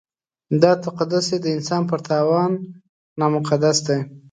دا تقدس یې د انسان پر تاوان نامقدس دی.